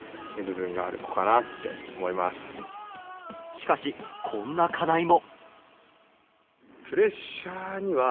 しかしこんな課題も。